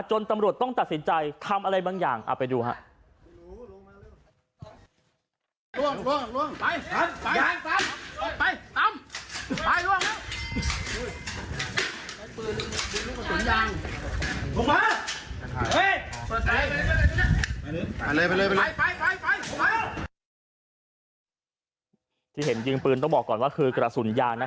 จะส่งจริงต้องบอกก่อนก็คือกระสุนยางนะ